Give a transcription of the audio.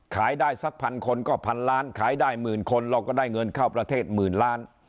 ขายได้สักพันคนก็พันล้านขายได้หมื่นคนเราก็ได้เงินเข้าประเทศหมื่นล้าน